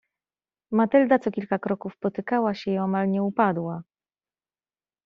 "Matylda co kilka kroków potykała się i omal nie upadła."